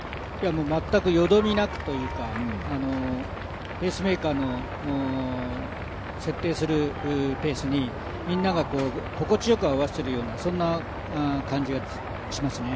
全くよどみなくというか、ペースメーカーの設定するペースにみんなが心地よく合わせているような感じがしますね。